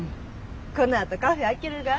このあとカフェ開けるが？